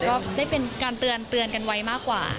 ก็ได้เป็นการเตือนกันไว้มากกว่า